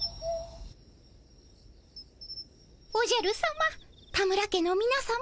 おじゃるさま田村家のみなさま